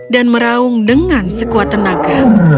dan meraung dengan sekuat tenaga